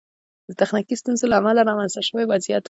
د تخنیکي ستونزو له امله رامنځته شوی وضعیت و.